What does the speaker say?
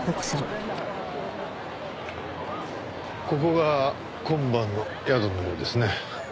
ここが今晩の宿のようですね。